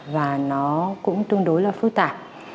và nó cũng tương đối là phức tạp